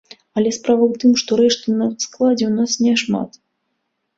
Але справа ў тым, што рэшты на складзе ў нас няшмат.